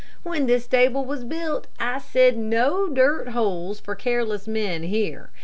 "When this stable was built, I said no dirt holes for careless men here.